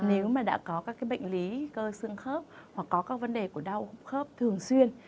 nếu mà đã có các bệnh lý cơ xương khớp hoặc có các vấn đề của đau khớp thường xuyên